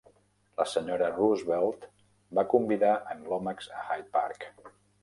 La Sra. Roosevelt va convidar en Lomax a Hyde Park.